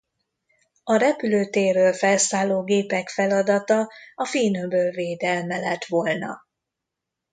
A repülőtérről felszálló gépek feladata a Finn-öböl védelme lett volna.